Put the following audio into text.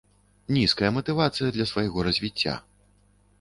Нізкая матывацыя для свайго развіцця.